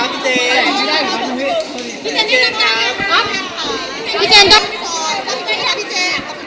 พี่เจนอาฟิแจอาฟิโตรโรโมโมโรโมโรโม